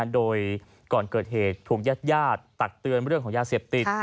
โดยก่อนเกิดเหตุถูกญาติตักเตือนเรื่องของยาเสพติด